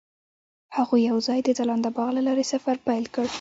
هغوی یوځای د ځلانده باغ له لارې سفر پیل کړ.